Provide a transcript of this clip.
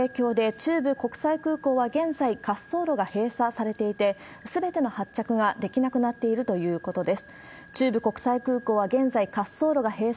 中部国際空港は現在、滑走路が閉鎖されていて、すべての発着ができなくなっているということです。